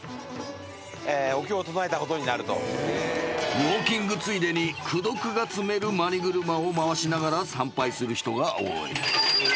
［ウオーキングついでに功徳が積めるマニ車を回しながら参拝する人が多い］